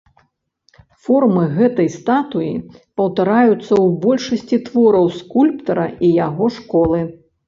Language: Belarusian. Формы гэтай статуі паўтараюцца ў большасці твораў скульптара і яго школы.